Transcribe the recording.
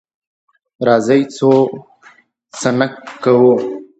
راځئ ځو څخنک کوو.